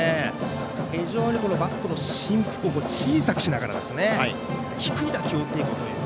非常にバットの振幅を小さくしながら低い打球を打っていこうという。